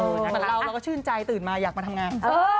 แต่เราเราก็ชื่นใจตื่นมาอยากมาทำงาน